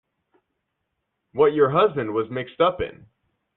What your husband was mixed up in.